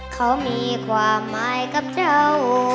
เขามีความหมายกับเจ้า